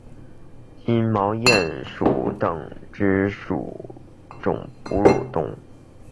金毛鼹属等之数种哺乳动物。